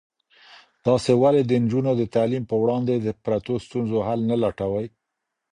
تاسې ولې د نجونو د تعلیم په وړاندې د پرتو ستونزو حل نه لټوئ؟